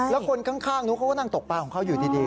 แล้วคนข้างนู้นเขาก็นั่งตกปลาของเขาอยู่ดี